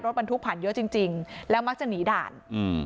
บรรทุกผ่านเยอะจริงจริงแล้วมักจะหนีด่านอืม